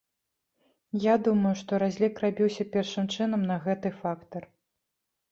Я думаю, што разлік рабіўся першым чынам на гэты фактар.